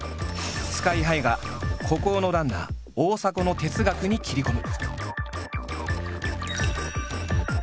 ＳＫＹ−ＨＩが孤高のランナー大迫の哲学に切り込む！